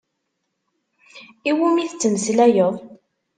Iwumi tettmeslayeḍ?